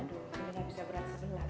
aduh ini bisa berat sekali